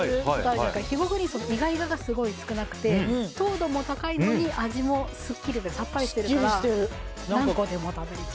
肥後グリーンはイガイガがすごい少なくて糖度も高いのに味もさっぱりしてるから何個でも食べられちゃう。